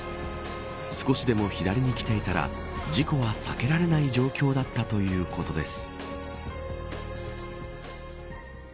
少しでも左に来ていたら事故は避けられない状況だったということです。